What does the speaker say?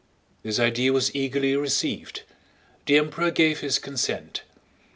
This idea was eagerly received. The Emperor gave his consent.